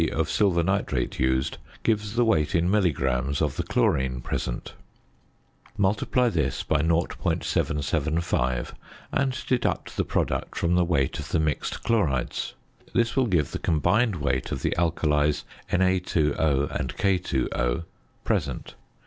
of silver nitrate used gives the weight in milligrams of the chlorine present. Multiply this by 0.775, and deduct the product from the weight of the mixed chlorides. This will give the combined weight of the alkalies (Na_O and K_O) present.